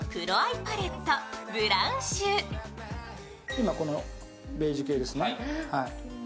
今、このベージュ系ですね。